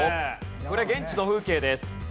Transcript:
これ現地の風景です。